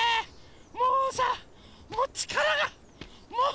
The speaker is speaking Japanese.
もうさもうちからがもう。